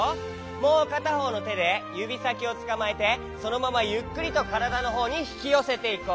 もうかたほうのてでゆびさきをつかまえてそのままゆっくりとからだのほうにひきよせていこう。